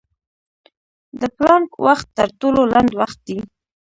د پلانک وخت تر ټولو لنډ وخت دی.